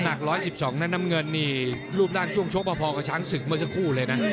หนัก๑๑๒นั้นน้ำเงินนี่รูปด้านช่วงชกพอกับช้างศึกเมื่อสักครู่เลยนะ